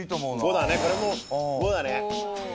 ５だねこれも５だね。